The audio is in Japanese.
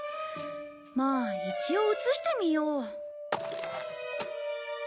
まあ一応写してみよう。